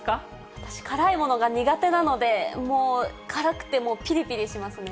私、辛いものが苦手なので、もう、辛くて、もうぴりぴりしますね。